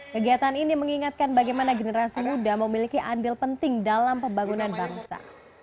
kegiatan ini mengingatkan bagaimana generasi muda memiliki andil penting dalam pembangunan bangsa